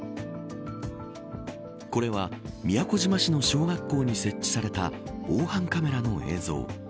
これは宮古島市の小学校に設置された防犯カメラの映像。